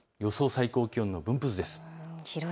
最高気温の分布図です。